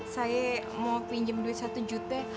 saya mau pinjam duit satu juta